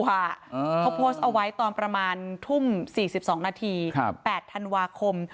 เขาโพสต์เอาไว้ตอนประมาณทุ่ม๔๒นาที๘ธันวาคม